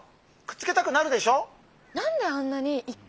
くっつけたくなるでしょ？